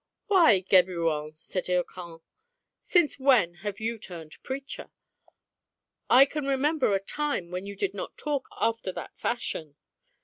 " Why, Geburon," said Hircan, " since when have you turned preacher ? I can remember a time when you did not talk after that fashion."